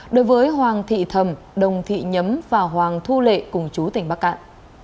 đối với hoàng thị thầm đồng thị nhấm và hoàng thu lệ cùng chú tỉnh bắc cạn